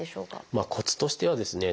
まあコツとしてはですね